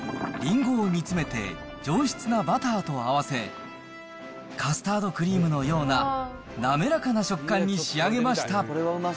りんごを煮詰めて、上質なバターと合わせ、カスタードクリームのような滑らかな食感に仕上げました。